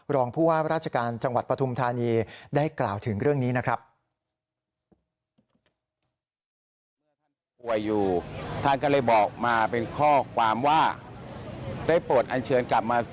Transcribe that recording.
รองผู้ว่าราชการจังหวัดพระถุมธนีย